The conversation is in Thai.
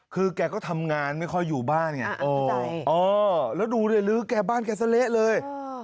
คือแกก็ทำงานไม่ค่อยอยู่บ้านไงแล้วดูเนี่ยลื้อแกบ้านแกซะเละเลย